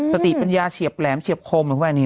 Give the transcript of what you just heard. สติปัญญาเฉียบแหลมเฉียบคม